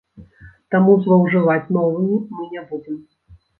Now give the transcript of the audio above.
Таму злоўжываць новымі мы не будзем!